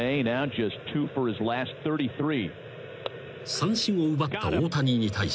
［三振を奪った大谷に対し］